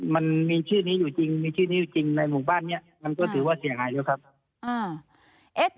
มันมีชื่อนี้อยู่จริงมีชื่อนี้อยู่จริงในหมู่บ้านนี้มันก็ถือว่าเสียหายแล้วครับ